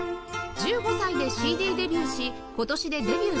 １５歳で ＣＤ デビューし今年でデビュー３０周年